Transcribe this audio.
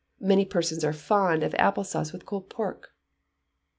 Many persons are fond of apple sauce with cold pork.